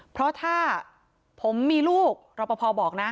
เพราะถ้าผมมีลูกรอปภบอกนะ